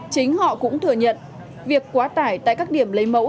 chính họ cũng thừa nhận việc quá tải tại các điểm lấy mẫu